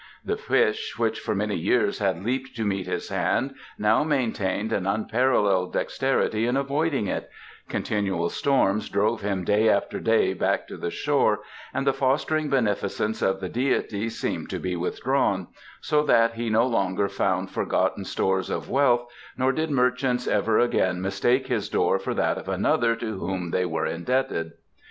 The fish which for so many years had leaped to meet his hand now maintained an unparalleled dexterity in avoiding it; continual storms drove him day after day back to the shore, and the fostering beneficence of the deities seemed to be withdrawn, so that he no longer found forgotten stores of wealth nor did merchants ever again mistake his door for that of another to whom they were indebted.